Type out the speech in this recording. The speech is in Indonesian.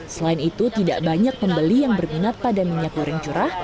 selain itu tidak banyak pembeli yang berminat pada minyak goreng curah